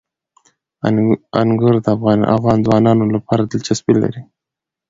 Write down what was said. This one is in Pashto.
انګور د افغان ځوانانو لپاره دلچسپي لري.